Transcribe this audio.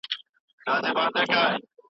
دا غنم ډېر مه ګڼوه .